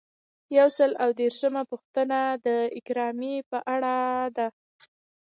یو سل او درویشتمه پوښتنه د اکرامیې په اړه ده.